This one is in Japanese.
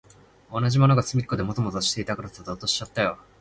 同じのがすみっこでもぞもぞしてたからさ、ぞっとしちゃったよ。